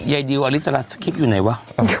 เยดิวอลิสรัสคลิปอยู่ไหนวะ